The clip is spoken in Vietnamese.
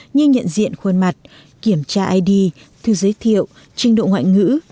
như nhận diện khuôn mặt kiểm tra id thư giới thiệu trình độ ngoại ngữ